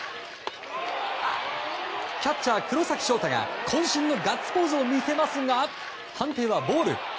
キャッチャー、黒崎翔太が渾身のガッツポーズを見せますが判定はボール。